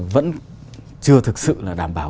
vẫn chưa thực sự là đảm bảo